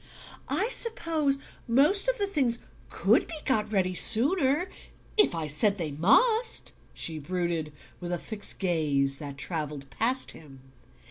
"I suppose most of the things COULD be got ready sooner if I said they MUST," she brooded, with a fixed gaze that travelled past him.